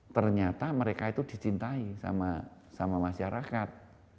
ternyata mereka itu dicintai sama masyarakat